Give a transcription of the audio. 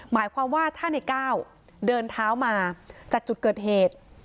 หมายความว่าถ้าในก้าวเดินเท้ามาจากจุดเกิดเหตุ